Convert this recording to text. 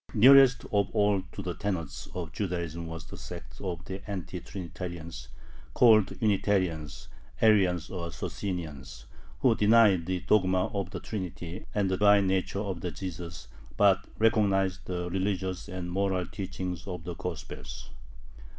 Nearest of all to the tenets of Judaism was the sect of the Anti Trinitarians (called Unitarians, Arians, or Socinians), who denied the dogma of the Trinity and the divine nature of Jesus, but recognized the religious and moral teachings of the Gospels.